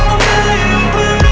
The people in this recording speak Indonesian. aku mau ngeliatin apaan